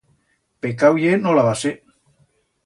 Pecau ye no lavar-se.